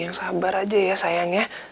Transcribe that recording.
yang sabar aja ya sayangnya